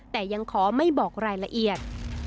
แต่ยังขอไม่บอกรายละเอียด